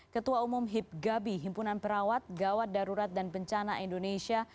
ketua umum hip gabi himpunan perawat gawat darurat dan bencana indonesia